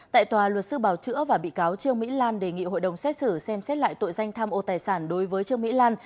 tại tòa luật sư bào chữa và bị cáo trương mỹ lan đề nghị hội đồng xét xử xem xét lại tội danh tham ô tài sản đối với trương mỹ lan